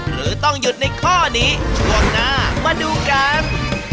หรือต้องหยุดในข้อนี้ช่วงหน้ามาดูกัน